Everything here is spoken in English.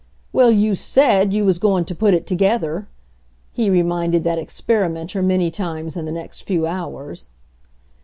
"Well, you said you was goin' ta put it to gether," he reminded that experimenter many times in the next few hours.